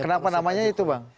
kenapa namanya itu bang